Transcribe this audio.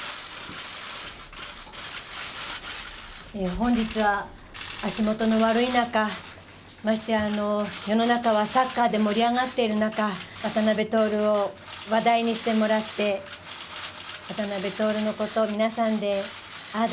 本日は足元の悪い中、ましてや世の中はサッカーで盛り上がっている中、渡辺徹を話題にしてもらって、渡辺徹のことを皆さんで、ああだ